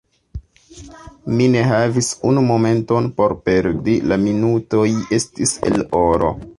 Mi ne havis unu momenton por perdi: la minutoj estis el oro.